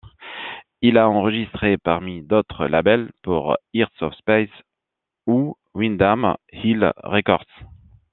Il a enregistré, parmi d'autres labels, pour Hearts of Space ou Windham Hill Records.